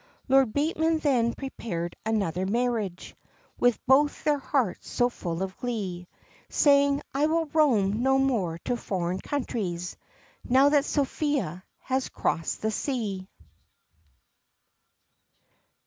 Lord Bateman then prepared another marriage, With both their hearts so full of glee, Saying, "I will roam no more to foreign countries, Now that Sophia has crossed the sea."